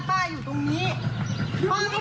พ่อก็พูดดีก็ได้